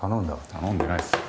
頼んでないですよ。